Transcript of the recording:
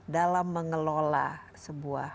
dalam mengelola sebuah